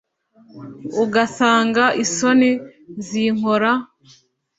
ugasanga isoni zinkora